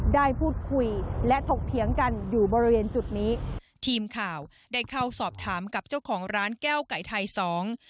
ได้พูดคุยและถกเถียงกันอยู่บริเวณจุดนี้ทีมข่าวได้เข้าสอบถามกับเจ้าของร้านแก้วไก่ไทยสอง